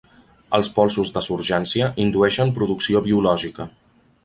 Els polsos de surgència indueixen producció biològica.